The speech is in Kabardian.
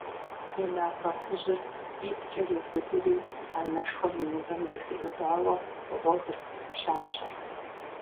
И напэ хужьыр ӀитӀкӀэ иубыдри, анэшхуэм и ныбэм зыхиӀубауэ гъуэгырт пщащэр.